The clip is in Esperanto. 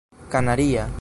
kanaria